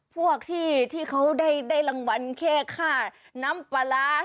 พวกที่เขาได้รางวัลแค่ค่าน้ำปลาร้า